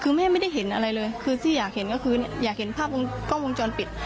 คือแม่ไม่ได้เห็นอะไรเลยคือที่อยากเห็นก็คืออยากเห็นภาพวงกล้องวงจรปิด